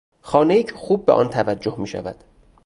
خانهای که خوب به آن توجه میشود